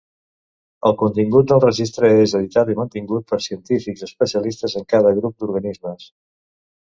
El contingut del registre és editat i mantingut per científics especialistes en cada grup d'organismes.